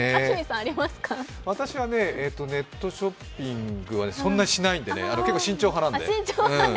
私はね、ネットショッピングはあんまりしない方なんで結構、慎重派なんで。